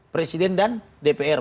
presiden dan dpr